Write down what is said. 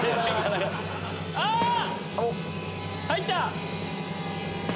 あっ入った！